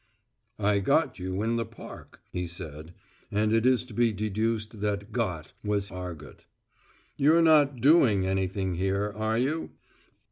"I got you in the park," he said; and it is to be deduced that "got" was argot. "You're not doing anything here, are you?"